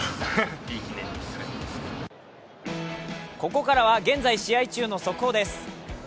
ここからは現在、試合中の速報です。